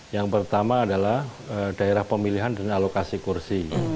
yang pertama adalah daerah pemilihan dan alokasi kursi